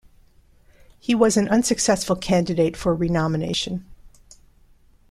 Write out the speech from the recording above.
He was an unsuccessful candidate for renomination.